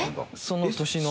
その年の。